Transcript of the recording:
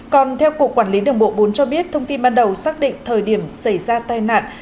còn theo cục quản lý đường bộ bốn cho biết thông tin ban đầu xác định thời điểm xảy ra tai nạn